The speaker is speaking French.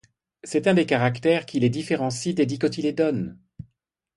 C'est un des caractères qui les différencient des dicotylédones.